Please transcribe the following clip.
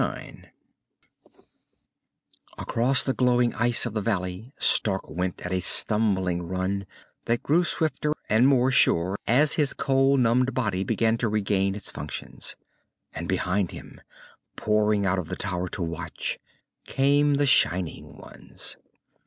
IX Across the glowing ice of the valley Stark went at a stumbling run that grew swifter and more sure as his cold numbed body began to regain its functions. And behind him, pouring out of the tower to watch, came the shining ones.